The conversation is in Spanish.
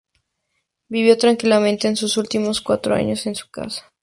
Vivió tranquilamente sus últimos cuatro años en su casa.